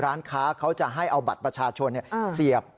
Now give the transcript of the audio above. ร้านค้าเขาจะให้เอาบัตรประชาชนเสียบ